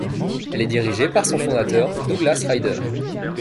Elle est dirigée par son fondateur, Douglas Ryder.